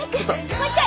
もう一回！